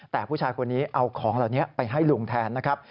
แต่ผู้ชายคนนี้เอาของเหล่านี้ไปให้ลุงแทนนะครับ